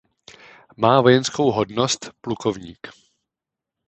Má vojenskou hodnost plukovník.